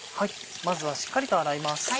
まずはしっかりと洗います。